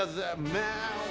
メン！